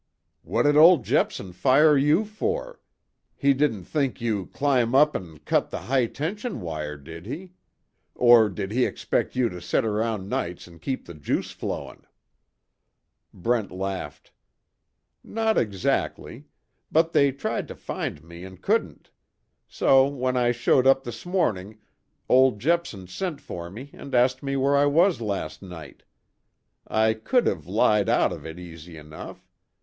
"What did old Jepson fire you for? He didn't think you clim up an' cut the high tension wire did he? Or, did he expect you to set around nights an' keep the juice flowin'?" Brent laughed: "Not exactly. But they tried to find me and couldn't. So when I showed up this morning old Jepson sent for me and asked me where I was last night. I could have lied out of it easy enough.